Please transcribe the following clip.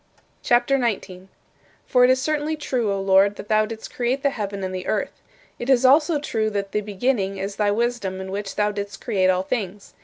CHAPTER XIX 28. For it is certainly true, O Lord, that thou didst create the heaven and the earth. It is also true that "the beginning" is thy wisdom in which thou didst create all things.